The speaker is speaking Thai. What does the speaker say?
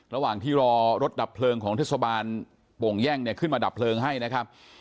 ระหว่างที่รอรถดับเพลิงของเทศบาลโป่งแย่งเนี่ยขึ้นมาดับเพลิงให้นะครับ